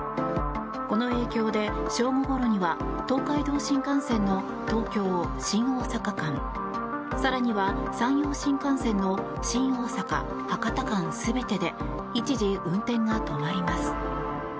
この影響で正午ごろには東海道新幹線の東京新大阪間更には山陽新幹線の新大阪博多間全てで一時、運転が止まります。